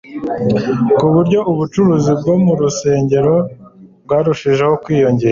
ku buryo ubucuruzi bwo mu rusengero bwarushijeho kwiyongera.